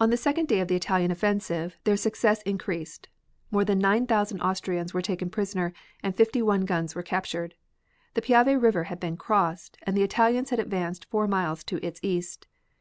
On the second day of the Italian offensive their success increased. More than nine thousand Austrians were taken prisoners and fifty one guns were captured. The Piave River had been crossed, and the Italians had advanced four miles to its east.